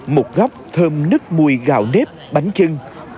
một góc thơm nứt mùi gạo nếp bánh chân